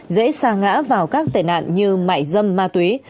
dễ xa ngã vào các tệ nạn như mại dâm ma túy